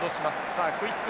さあクイック